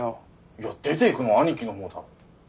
いや出ていくのは兄貴のほうだろ。